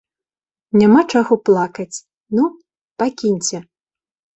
Няма чаго плакаць, ну, пакіньце!